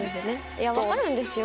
いやわかるんですよ